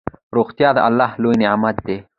روغتيا دالله لوي نعمت ده